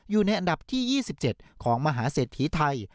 อยู่ในอันดับที่๒๗ของมหาเศรษฐีไทย